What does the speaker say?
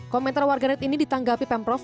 komentar warganet ini ditanggapi pemprov